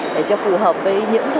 để cho phù hợp với những thổ